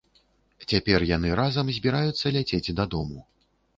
Цяпер яны разам збіраюцца ляцець дадому.